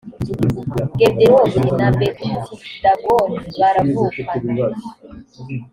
gederoti na betidagoni baravukana.